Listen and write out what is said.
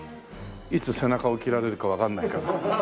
いつ背中を斬られるかわからないから。